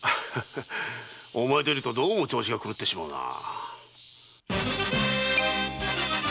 お前と居るとどうも調子が狂ってしまうなあ。